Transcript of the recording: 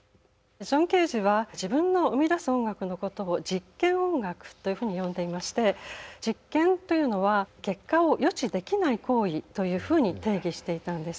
ジョン・ケージは自分の生み出す音楽のことを実験音楽というふうに呼んでいまして実験というのは結果を予知できない行為というふうに定義していたんです。